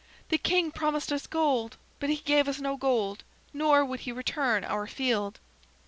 The king promised us gold, but he gave us no gold, nor would he return our field."